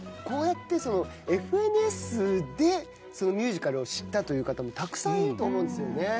こうやって『ＦＮＳ』でそのミュージカルを知ったという方もたくさんいると思うんですよね。